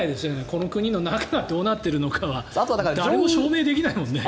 この国の中がどうなっているのか誰も証明できないもんね。